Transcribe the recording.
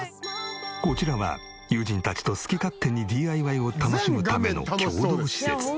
こちらは友人たちと好き勝手にＤＩＹを楽しむための共同施設。